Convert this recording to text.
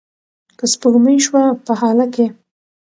که سپوږمۍ شوه په هاله کې